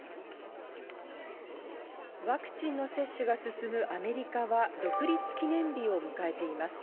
ワクチンの接種が進むアメリカは独立記念日を迎えています。